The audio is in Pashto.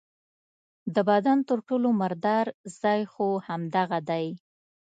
د بدن تر ټولو مردار ځای خو همدغه دی.